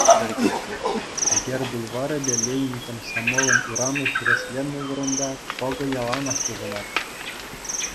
Эгер бульварӗпе Ленин Комсомолӗн урамӗ хӗресленнӗ вырӑнта пӑкӑ яланах пухӑнать.